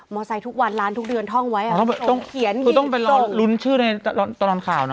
ไซค์ทุกวันร้านทุกเดือนท่องไว้อ่ะต้องเขียนคือต้องไปรอลุ้นชื่อในตลอดข่าวนะ